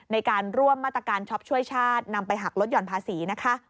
ในการร่วมมาตรการช็อปช่วยชาตินำไปหักลดห่อนภาษีนะคะ